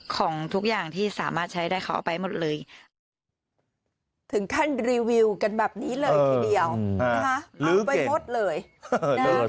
ของทุกอย่างที่สามารถใช้ได้เขาเอาไปหมดเลยถึงขั้นรีวิวกันแบบนี้เลยทีเดียวนะคะเอาไปหมดเลยนะฮะ